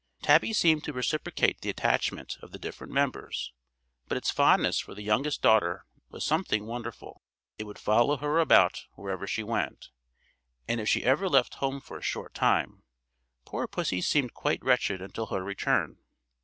Tabby seemed to reciprocate the attachment of the different members, but its fondness for the youngest daughter was something wonderful. It would follow her about wherever she went, and if she ever left home for a short time, poor pussy seemed quite wretched until her return.